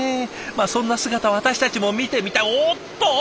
そんな姿私たちも見てみたいおっと！